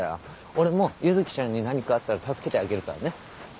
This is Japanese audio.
俺も結月ちゃんに何かあったら助けてあげるからね。